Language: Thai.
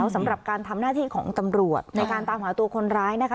สำหรับการทำหน้าที่ของตำรวจในการตามหาตัวคนร้ายนะคะ